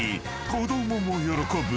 子供も喜ぶ。